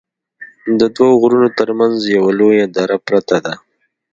ددوو غرونو تر منځ یوه لویه دره پراته ده